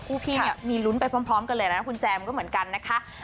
ก็โอเคนะคะ